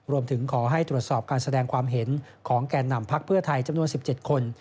รวมถึงขอให้ตรวจสอบการแสดงความเห็นของแก่นำพักเพื่อไทยจำนวน๑๗คน